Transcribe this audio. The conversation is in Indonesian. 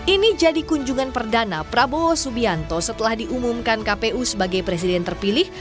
ini jadi kunjungan perdana prabowo subianto setelah diumumkan kpu sebagai presiden terpilih